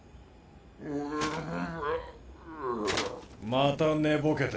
また寝ぼけて